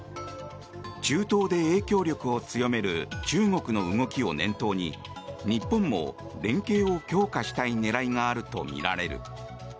中東で影響力を強める中国の動きを念頭に日本も連携を強化したい狙いがあるとみられる。